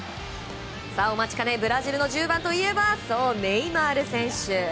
お待ちかねブラジルの１０番といえばそう、ネイマール選手。